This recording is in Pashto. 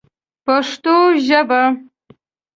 پښتو ژبه